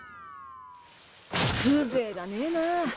風情がねえな。